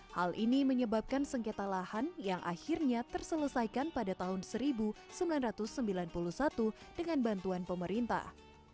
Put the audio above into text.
hal ini menyebabkan sengketa lahan yang akhirnya terselesaikan pada tahun seribu sembilan ratus sembilan puluh satu dengan bantuan pemerintah